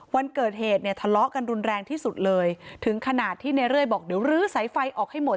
วันเกิดเหตุเนี่ยทะเลาะกันรุนแรงที่สุดเลยถึงขนาดที่ในเรื่อยบอกเดี๋ยวลื้อสายไฟออกให้หมด